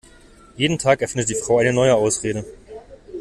Jeden Tag erfindet die Frau eine neue Ausrede.